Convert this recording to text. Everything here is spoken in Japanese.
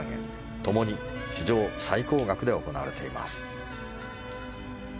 ともに史上最高額で行われています。